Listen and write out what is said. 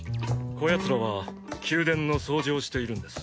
こやつらは宮殿の掃除をしているんです。